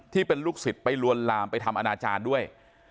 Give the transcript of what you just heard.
ที่เป็นลูกศิษย์ไปลวนลามไปทำอนาจารย์ด้วย